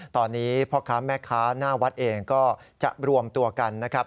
ตอนนี้พ่อค้าแม่ค้าหน้าวัดเองก็จะรวมตัวกันนะครับ